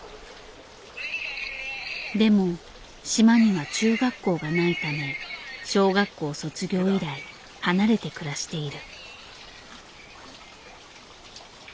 でも島には中学校がないため小学校卒業以来離れて暮らしている。